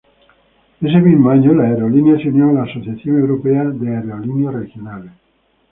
Ese mismo año la aerolínea se unió a la Asociación Europea de Aerolíneas Regionales.